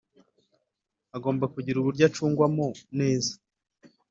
agomba kugira uburyo acungwa mo neza